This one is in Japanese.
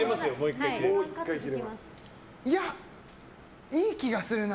いや、いい気がするな。